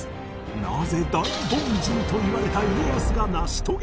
なぜ大凡人といわれた家康が成し遂げられたのか？